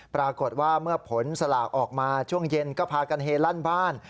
ปรากฏว่าเมื่อผลสลากออกมาช่วงเย็นก็พากันเฮลั่นบ้าน